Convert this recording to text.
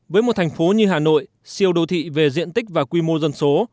với một thành phố như hà nội siêu đô thị về diện tích và quy mô dân số